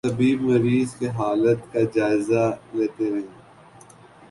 طبیب مریض کی حالت کا جائزہ لیتے ہیں